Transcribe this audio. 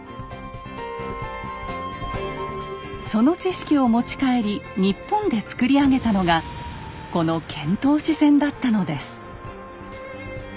その知識を持ち帰り日本で造り上げたのがこの遣唐使船だったのです。